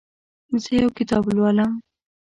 زه یو کتاب لولم.